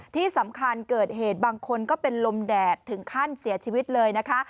ที่เกิดเหตุบางคนก็เป็นลมแดดถึงขั้นเสียชีวิตเลยนะคะ